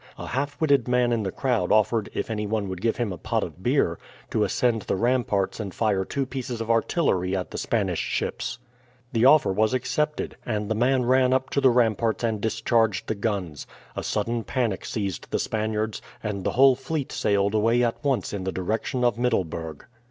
A half witted man in the crowd offered, if any one would give him a pot of beer, to ascend the ramparts and fire two pieces of artillery at the Spanish ships. The offer was accepted, and the man ran up to the ramparts and discharged the guns. A sudden panic seized the Spaniards, and the whole fleet sailed away at once in the direction of Middelburg.